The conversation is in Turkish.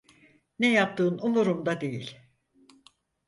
Ne yaptığın umurumda değil.